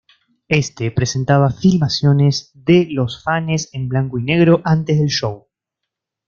Éste presentaba filmaciones de los fanes en blanco y negro antes del show.